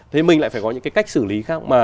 thế mình lại phải có những cái cách xử lý khác